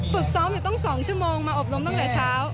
ฝึกซ้อมอยู่ตั้ง๒ชั่วโมงมาอบรมตั้งแต่เช้า